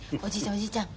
おじいちゃん。